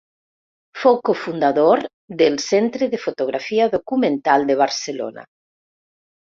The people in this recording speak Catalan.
Fou cofundador del Centre de Fotografia Documental de Barcelona.